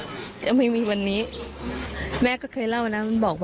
เนื่องจากนี้ไปก็คงจะต้องเข้มแข็งเป็นเสาหลักให้กับทุกคนในครอบครัว